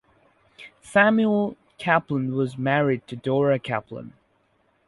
Samuel Caplan was married to Dora Caplan.